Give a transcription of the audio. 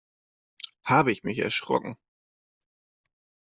Habe ich mich erschrocken!